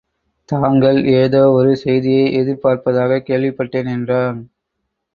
தாங்கள் எதோ ஒரு செய்தியை எதிர்பார்ப்பதாகக் கேள்விப்பட்டேன் என்றான்.